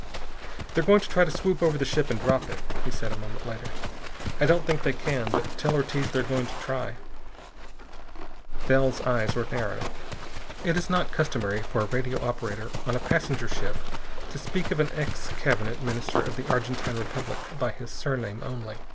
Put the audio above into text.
"They're going to try to swoop over the ship and drop it," he said a moment later. "I don't think they can. But tell Ortiz they're going to try." Bell's eyes were narrow. It is not customary for a radio operator on a passenger ship to speak of an ex Cabinet Minister of the Argentine Republic by his surname only.